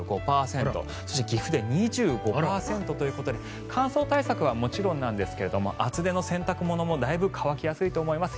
そして岐阜で２５％ということで乾燥対策はもちろんですが厚手の洗濯物もだいぶ乾きやすいと思います。